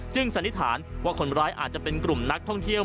สันนิษฐานว่าคนร้ายอาจจะเป็นกลุ่มนักท่องเที่ยว